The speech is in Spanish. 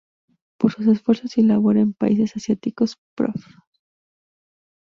Por sus esfuerzos y labor en países asiáticos, Prof.